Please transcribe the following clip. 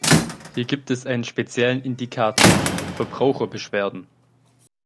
Hier gibt es einen speziellen Indikator "Verbraucherbeschwerden".